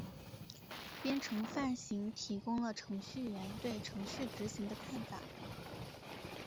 编程范型提供了程序员对程序执行的看法。